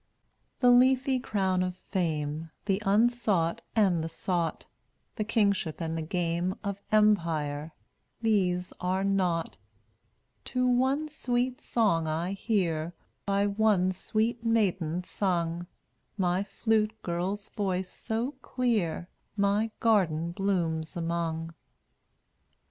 191 The leafy crown of fame, The unsought and the sought, The kingship and the game Of empire — these are nought To one sweet song I hear By one sweet maiden sung — My flute girl's voice so clear My garden blooms among.